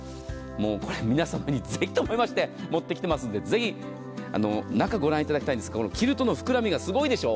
皆様にぜひと思いまして持ってきていますので中をご覧いただきたいんですがキルトの膨らみがすごいでしょう。